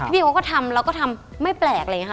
พี่เขาก็ทำแล้วก็ทำไม่แปลกอะไรอย่างนี้ค่ะ